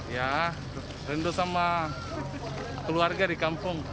ya rindu sama keluarga di kampung